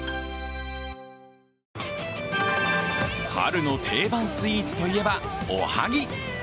春の定番スイーツといえば、おはぎ。